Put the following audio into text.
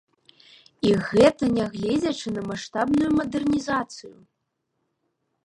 І гэта нягледзячы на маштабную мадэрнізацыю!